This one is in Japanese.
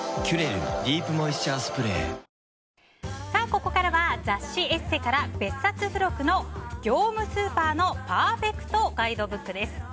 ここからは雑誌「ＥＳＳＥ」から別冊付録の業務スーパーのパーフェクトガイドブックです。